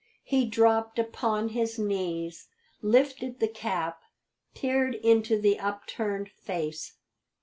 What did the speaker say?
He dropped upon his knees, lifted the cap, peered into the upturned face.